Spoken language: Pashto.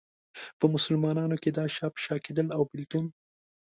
په مسلمانانو کې دا شا په شا کېدل او بېلتون.